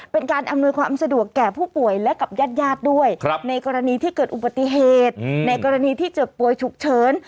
เป็นการอำนวยความสะดวกแก่ผู้ป่วยและกับญาติญาติด้วยในกรณีที่เกิดอุบัติเหตุในกรณีที่เจ็บป่วยฉุกเฉิน